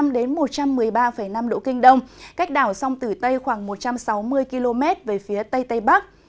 một trăm một mươi hai năm một trăm một mươi ba năm độ kinh đông cách đảo sông tử tây khoảng một trăm sáu mươi km về phía tây tây bắc